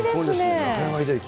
中山秀征